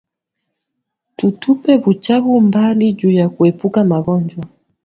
Tu tupe buchafu mbali juya kuepuka magonjwa